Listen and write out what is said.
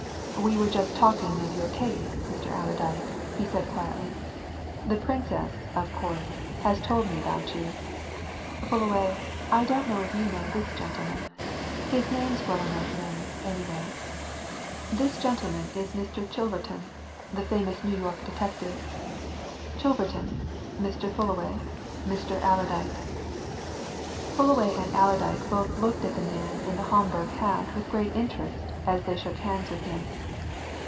"We were just talking of your case, Mr. Allerdyke," he said quietly. "The Princess, of course, has told me about you. Fullaway, I don't know if you know this gentleman his name's well enough known, anyway. This gentleman is Mr. Chilverton, the famous New York detective. Chilverton Mr. Fullaway, Mr. Allerdyke." Fullaway and Allerdyke both looked at the man in the Homburg hat with great interest as they shook hands with him.